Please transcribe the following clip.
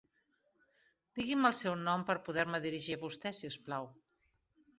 Digui'm el seu nom per poder-me dirigir a vostè, si us plau.